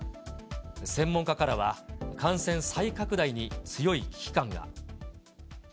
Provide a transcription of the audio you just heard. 専門家からは、感染再拡大に強い危機感が。